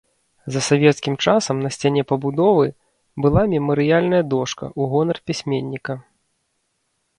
За савецкім часам на сцяне пабудовы была мемарыяльная дошка ў гонар пісьменніка.